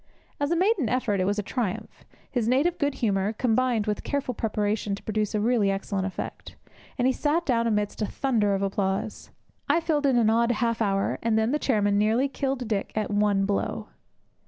As a maiden effort it was a triumph; his native good humour combined with careful preparation to produce a really excellent effect; and he sat down amidst a thunder of applause. I filled in an odd half hour, and then the chairman nearly killed Dick at one blow.